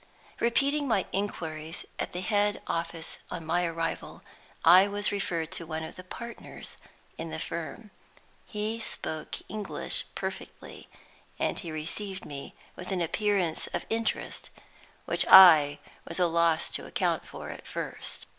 Repeating my inquiries at the head office on my arrival, I was referred to one of the partners in the firm. He spoke English perfectly; and he received me with an appearance of interest which I was at a loss to account for at first.